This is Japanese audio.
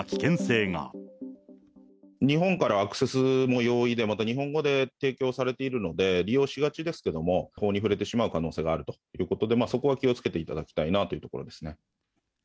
日本からアクセスも容易で、また日本語で提供されているので、利用しがちですけれども、法に触れてしまう可能性があるということで、そこは気をつけていただきたいなというところですね。